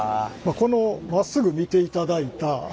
このまっすぐ見ていただいた